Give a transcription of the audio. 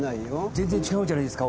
全然違うじゃないですか。